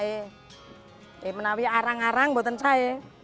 ini menawi arang arang buatan saya